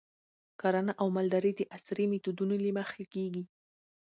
کرنه او مالداري د عصري میتودونو له مخې کیږي.